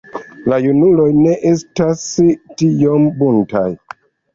La junuloj ne estas tiom buntaj.